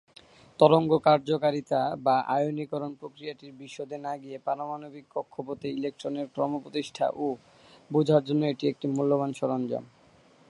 তরঙ্গ কার্যকারিতা বা আয়নীকরণ প্রক্রিয়াটির বিশদে না গিয়ে পারমাণবিক কক্ষপথে ইলেকট্রনের ক্রম প্রতিষ্ঠা ও বোঝার জন্য এটি একটি মূল্যবান সরঞ্জাম।